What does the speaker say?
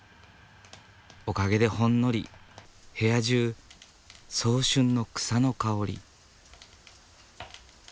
おかげでほんのり部屋中早春の草の香り。